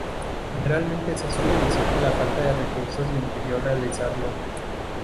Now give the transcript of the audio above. Generalmente se suele decir que la falta de recursos le impidió realizarlo.